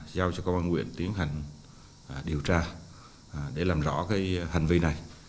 giao cho công an huyện tiến hành điều tra để làm rõ cái hành vi này